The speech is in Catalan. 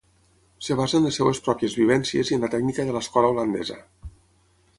Es basa en les seues pròpies vivències i en la tècnica de l'escola holandesa.